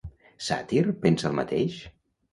Sàtir pensa el mateix?